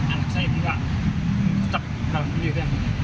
anak saya juga tetap berangkulir